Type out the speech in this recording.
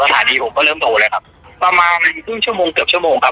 สถานีผมก็เริ่มโตแล้วครับประมาณครึ่งชั่วโมงเกือบชั่วโมงครับ